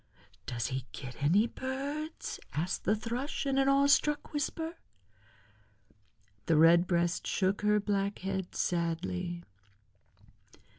"Does he get any birds?" asked the Thrush in an awe struck whisper. The Redbreast shook her black head sadly.